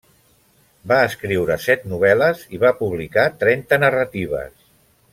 Va escriure set novel·les i va publicar trenta narratives.